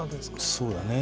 そうだね。